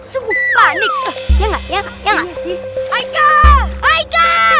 sungguh panik ya nggak ya nggak ya nggak ya nggak